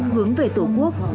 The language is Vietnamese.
hướng về tổ quốc